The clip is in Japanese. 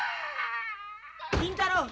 金太郎。